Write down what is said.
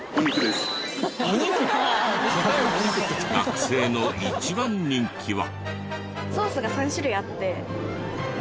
学生の一番人気は。